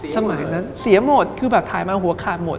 สมัยนั้นเสียหมดคือแบบถ่ายมาหัวขาดหมด